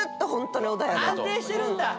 安定してるんだ。